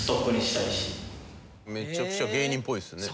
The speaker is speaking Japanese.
めちゃくちゃ芸人っぽいですね。